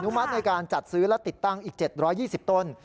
มัติในการจัดซื้อและติดตั้งอีก๗๒๐ต้น